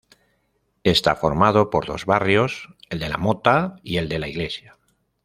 Está formado por dos barrios; el de la Mota y el de la Iglesia.